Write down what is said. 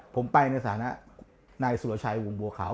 ผมไปในฐานะนายสุรชัยวงบัวขาว